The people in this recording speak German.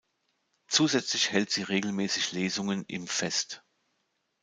Zusätzlich hält sie regelmäßig Lesungen im Vest.